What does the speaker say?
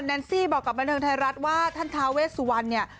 แนนซี่บอกกับบันเทิงไทยรัฐว่าท่านทาเวสสุวรรณเนี่ย